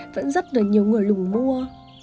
vẫn rất là nhiều người lùng mua